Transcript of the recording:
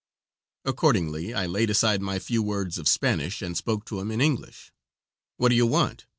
Accordingly, I laid aside my few words of Spanish and spoke to him in English. "What do you want?